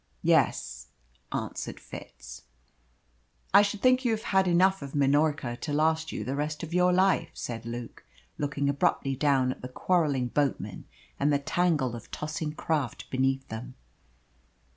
"Yes," answered Fitz. "I should think you have had enough of Minorca to last you the rest of your life," said Luke, looking abruptly down at the quarrelling boatmen and the tangle of tossing craft beneath them.